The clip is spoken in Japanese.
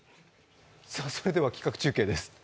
それでは企画中継です。